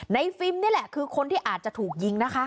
ฟิล์มนี่แหละคือคนที่อาจจะถูกยิงนะคะ